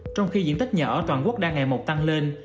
trong khi diện tích nhà ở toàn quốc đang ngày một tăng lên